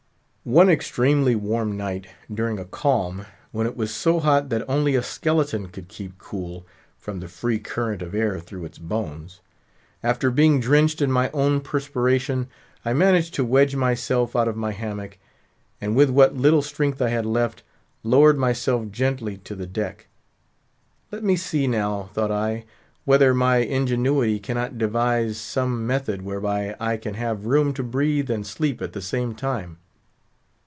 One extremely warm night, during a calm, when it was so hot that only a skeleton could keep cool (from the free current of air through its bones), after being drenched in my own perspiration, I managed to wedge myself out of my hammock; and with what little strength I had left, lowered myself gently to the deck. Let me see now, thought I, whether my ingenuity cannot devise some method whereby I can have room to breathe and sleep at the same time.